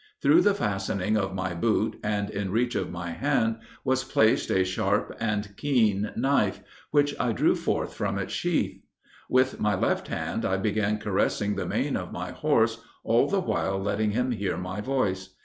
Through the fastening of my boot, and in reach of my hand, was placed a sharp and keen knife, which I drew forth from its sheath. With my left hand I began caressing the mane of my horse, all the while letting him hear my voice.